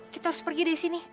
kita harus pergi dari sini